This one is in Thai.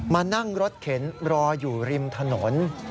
มานั่งรถเข็นรออยู่ริมถนน